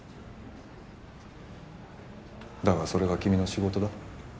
だがそれが君の仕事だ。